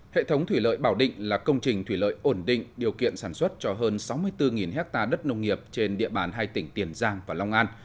hệ thống thủy lợi bảo định là công trình thủy lợi ổn định điều kiện sản xuất cho hơn sáu mươi bốn hectare đất nông nghiệp trên địa bàn hai tỉnh tiền giang và long an